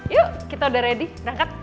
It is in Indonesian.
yuk kita udah ready berangkat